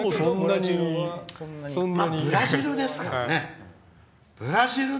ブラジルですからね。